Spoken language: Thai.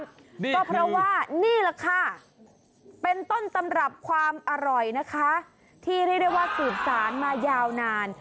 ก็เพราะว่านี่ล่ะค่ะเป็นต้นตำรับความอร่อยนะคะที่ได้เรียกว่าสูตรสารมายาวนาน